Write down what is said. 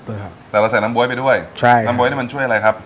แต่เราใส่น้ำบ๊วยไปด้วยน้ำบ๊วยนี่มันช่วยอะไรครับ